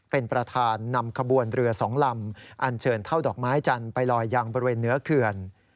เป็นประธานนำขบวนเรือ๒ลำอันเชิญเท่าดอกไม้จันทร์ไปลอยยางบริเวณเหนือเขื่อน